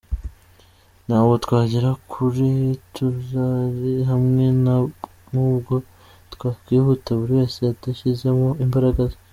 Ntabwo twagera kuri turari hamwe, nta nubwo twakwihuta buri wese adashyizemo imbaraga ze”.